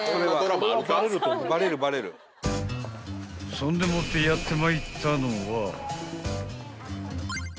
［そんでもってやってまいったのは］